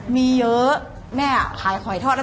มีเยอะแม่ก็ค่อยตอนที่อ่อน